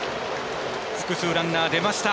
複数ランナー出ました。